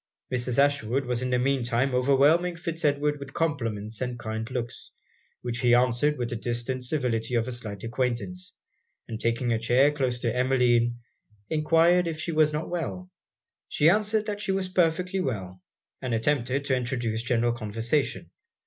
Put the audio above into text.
Mrs. Ashwood was in the mean time overwhelming Fitz Edward with compliments and kind looks, which he answered with the distant civility of a slight acquaintance; and taking a chair close to Emmeline, enquired if she was not well? She answered that she was perfectly well; and attempted to introduce general conversation.